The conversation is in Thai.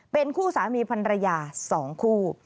เป็นคู่สามีพันรยา๒คู่